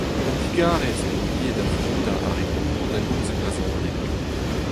Un digarez eo ivez da vroudañ ar re gozh da gomz e brezhoneg.